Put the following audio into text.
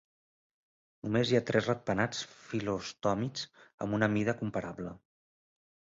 Només hi ha tres ratpenats fil·lostòmids amb una mida comparable.